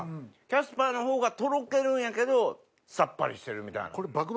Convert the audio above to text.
キャスパーのほうがとろけるんやけどさっぱりしてるみたいな。